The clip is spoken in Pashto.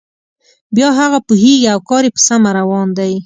بیا هغه پوهیږي او کار یې په سمه روان دی.